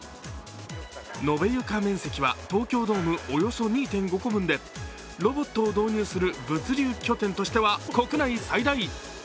延べ床面積は東京ドームおよそ２．５個分で、ロボットを導入する物流拠点としては国内最大。